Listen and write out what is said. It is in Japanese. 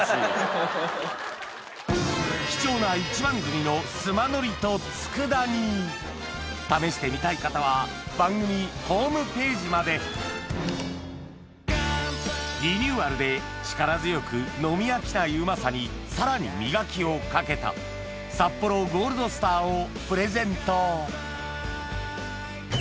貴重な一番摘みの須磨海苔と佃煮試してみたい方は番組ホームページまでリニューアルで力強く飲み飽きないうまさにさらに磨きをかけた「サッポロＧＯＬＤＳＴＡＲ」をプレゼント